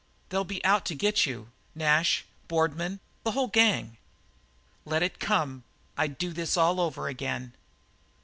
They'll be out to get you Nash Boardman the whole gang." "Let 'em come. I'd do this all over again."